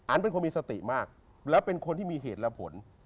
เป็นคนมีสติมากแล้วเป็นคนที่มีเหตุและผล